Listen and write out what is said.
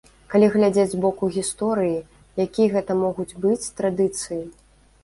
Калі глядзець з боку гісторыі, якія гэта могуць быць традыцыі?